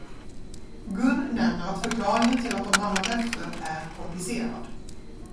Gun nämner att förklaringen till att de hamnat efter är komplicerad.